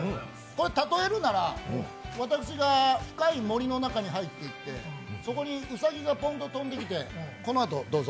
例えるなら、私が深い森の中に入っていってそこにうさぎがポンと飛んできてこのあとどうぞ。